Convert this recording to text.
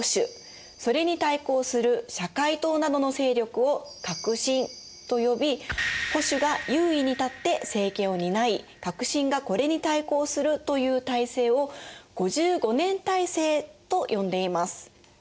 それに対抗する社会党などの勢力を「革新」と呼び保守が優位に立って政権を担い革新がこれに対抗するという体制を５５年体制と呼んでいます。